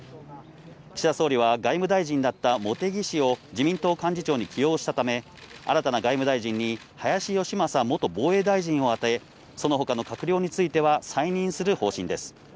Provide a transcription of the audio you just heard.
岸田総理は外務大臣だった茂木氏を自民党幹事長に起用したため、新たな外務大臣に林芳正元防衛大臣をあて、その他の閣僚については再任する方針です。